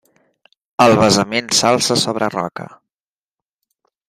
El basament s'alça sobre roca.